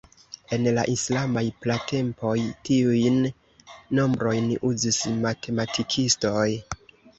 En la islamaj pratempoj, tiujn nombrojn uzis matematikistoj.